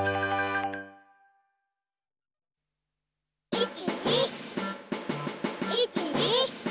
１２１２。